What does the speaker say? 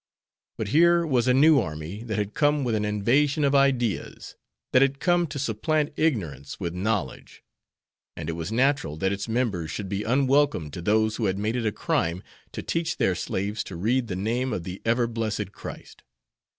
But here was a new army that had come with an invasion of ideas, that had come to supplant ignorance with knowledge, and it was natural that its members should be unwelcome to those who had made it a crime to teach their slaves to read the name of the ever blessed Christ.